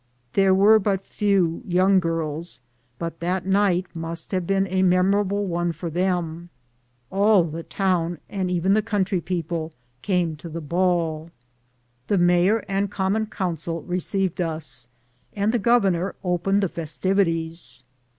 There were but few 3^oung girls, but that night must have been a memora ble one for them. All the town, and even the country people, came to the ball. The mayor and common council received us, and the governor opened the fes tivities.